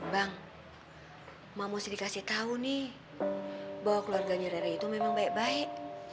bang mama mesti dikasih tahu nih bahwa keluarganya rare itu memang baik baik